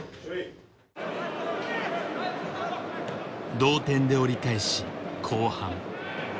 同点で折り返し後半。